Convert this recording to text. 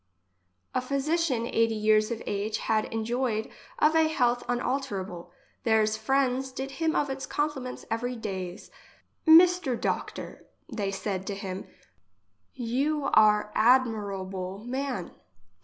A physician eighty years of age had en joicd of a health unalterable. Theirs friends did him of it compliments every days :" Mister doctor, they said to him, you are admirable man.